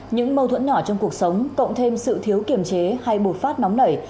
những mâu thuẫn nhỏ trong cuộc sống cộng thêm sự thiếu kiềm chế hay bột phát nóng nảy